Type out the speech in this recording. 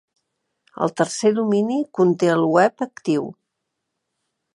El tercer domini conté el web actiu.